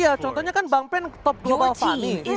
iya contohnya kan bang pen top global funny